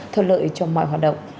thuật lợi cho mọi hoạt động